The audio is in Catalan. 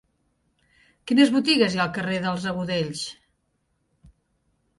Quines botigues hi ha al carrer dels Agudells?